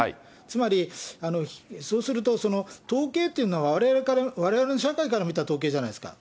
つまり、そうすると統計というのはわれわれの社会から見た統計じゃないですか。